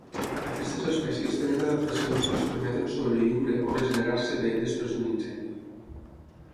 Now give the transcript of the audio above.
Aquestes espècies tenen adaptacions que els permeten sobreviure o regenerar-se bé després d'un incendi.